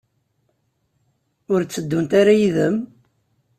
Ur tteddunt ara yid-m?